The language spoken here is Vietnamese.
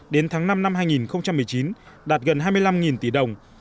đến tháng năm năm hai nghìn một mươi chín đạt gần hai mươi năm tỷ đồng